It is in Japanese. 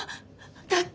だって！